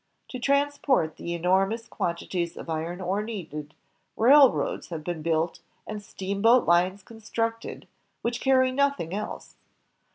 To trans port the enormous quantities of iron ore needed, railroads have been built and steamboat lines constructed, which carry nothing else.